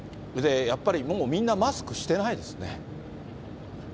やっぱりもうみんなマスクしてないですね。